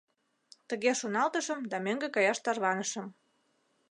Тыге шоналтышым да мӧҥгӧ каяш тарванышым.